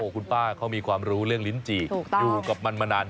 คุณป้าเขามีความรู้เรื่องลิ้นจี่อยู่กับมันมานาน